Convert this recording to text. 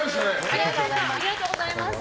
ありがとうございます。